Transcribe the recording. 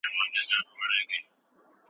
مشران باید عادل او صادق وي.